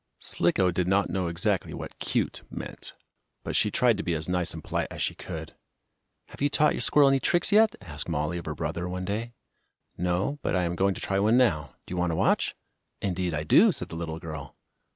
Slicko did not know exactly what "cute" meant, but she tried to be as nice and polite as she could. "Have you taught your squirrel any tricks yet?" asked Mollie of her brother, one day. "No, but I am going to try one now. Do you want to watch?" "Indeed I do!" said the little girl.